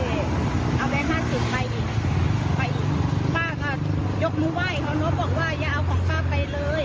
เขาก็เห็นแหวนเห็นแหวนในมืออีกเขาบอกเนี่ยแหวนหน้าถอดออกมาเลยเลย